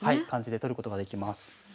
感じで取ることができます。